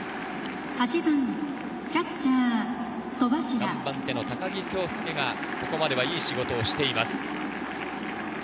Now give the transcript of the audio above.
３番手の高木京介がここまでいい仕事をしています。